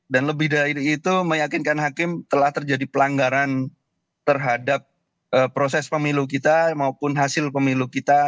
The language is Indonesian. dan lebih dari itu meyakinkan hakim telah terjadi pelanggaran terhadap proses pemilu kita maupun hasil pemilu kita